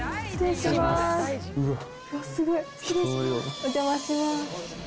お邪魔します。